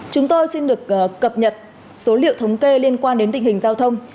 chúng tôi xin được cập nhật số liệu thống kê liên quan đến tình hình giao thông